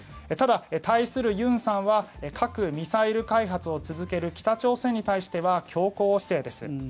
ただ、対する尹さんは核・ミサイル開発を続ける北朝鮮に対しては強硬姿勢です。